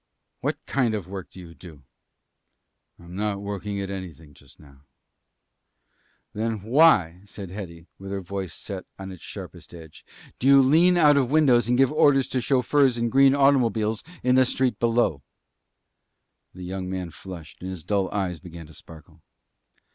"What kind of work do you do?" "I am not working at anything just now." "Then why," said Hetty, with her voice set on its sharpest edge, "do you lean out of windows and give orders to chauffeurs in green automobiles in the street below?" The young man flushed, and his dull eyes began to sparkle.